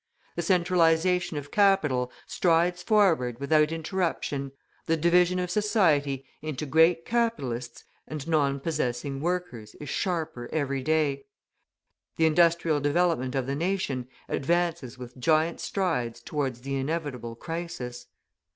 The centralisation of capital strides forward without interruption, the division of society into great capitalists and non possessing workers is sharper every day, the industrial development of the nation advances with giant strides towards the inevitable crisis.